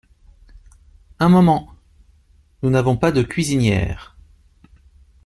Un moment ! nous n’avons pas de cuisinière…